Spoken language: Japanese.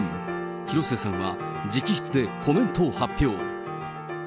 広末さんは直筆でコメントを発表。